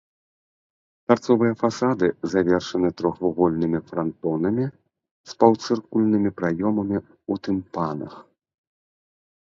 Тарцовыя фасады завершаны трохвугольнымі франтонамі з паўцыркульнымі праёмамі ў тымпанах.